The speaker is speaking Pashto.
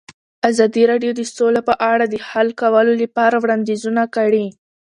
ازادي راډیو د سوله په اړه د حل کولو لپاره وړاندیزونه کړي.